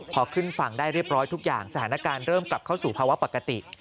พอขึ้นฝั่งได้เรียบร้อยทุกอย่างสถานการณ์เริ่มกลับเข้าสู่ภาวะปกติ